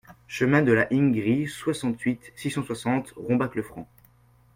Chemin de la Hingrie, soixante-huit, six cent soixante Rombach-le-Franc